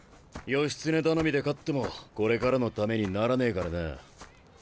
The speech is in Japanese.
義経頼みで勝ってもこれからのためにならねえからな。